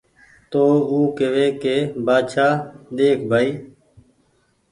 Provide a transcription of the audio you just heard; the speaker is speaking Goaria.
تو او ڪيوي ڪي بآڇآ ۮيک ڀآئي